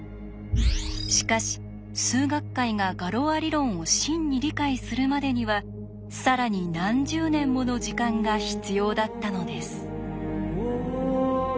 しかし数学界がガロア理論を真に理解するまでには更に何十年もの時間が必要だったのです。